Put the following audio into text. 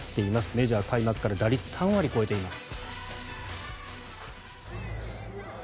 メジャー開幕から打率３割、超えています。